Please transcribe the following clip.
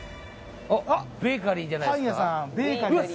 あっベーカリーじゃないですかあっ